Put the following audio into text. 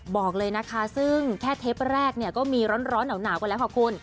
บอกเลยนะคะซึ่งแค่เทปแรกเนี่ยก็มีร้อนหนาวกันแล้วค่ะคุณ